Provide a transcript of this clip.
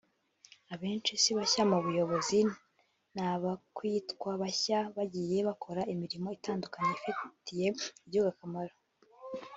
Abenshi si bashya mu buyobozi n’abakwitwa bashya bagiye bakora imirimo itandukanye ifitiye igihugu akamaro